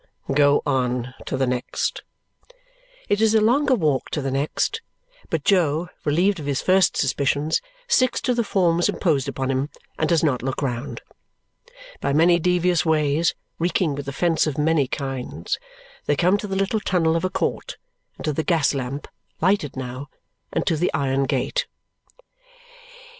"Go on to the next!" It is a longer walk to the next, but Jo, relieved of his first suspicions, sticks to the forms imposed upon him and does not look round. By many devious ways, reeking with offence of many kinds, they come to the little tunnel of a court, and to the gas lamp (lighted now), and to the iron gate.